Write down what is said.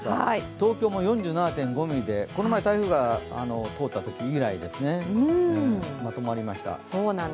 東京も４７．５ミリでこの前、台風が通ったとき以来ですね、まとまりました。